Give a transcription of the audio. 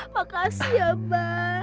makasih ya bang